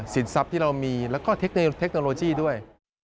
ทรัพย์ที่เรามีแล้วก็เทคโนโลยีด้วย